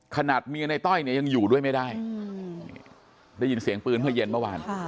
ขนาดเมียในต้อยเนี่ยยังอยู่ด้วยไม่ได้ได้ยินเสียงปืนเมื่อเย็นเมื่อวาน